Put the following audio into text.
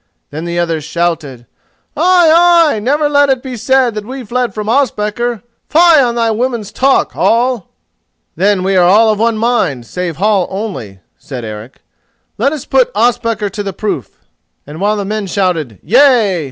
Then the others shouted: "Ay, ay! Never let it be said that we fled from Ospakar—fie on thy woman's talk, Hall!" "Then we are all of one mind, save Hall only," said Eric. "Let us put Ospakar to the proof." And while men shouted "Yea!"